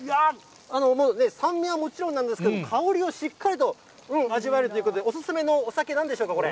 もうね、酸味はもちろんなんですけれども、香りがしっかりと味わえるということで、お勧めのお酒なんでしょうか、これ。